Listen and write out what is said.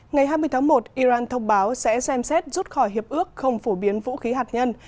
ngày hai mươi tháng một iran thông báo sẽ xem xét rút khỏi hiệp ước không phổ biến vũ khí hạt nhân